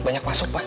banyak masuk pa